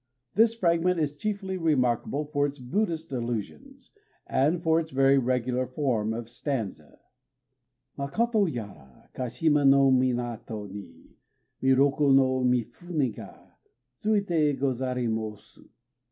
This fragment is chiefly remarkable for its Buddhist allusions, and for its very regular form of stanza: Makoto yara, Kashima no minato ni Miroku no mifuné ga Tsuité gozarimôsu.